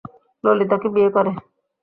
ললিতাকে বিয়ে করে!